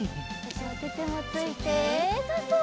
おててもついてそうそう。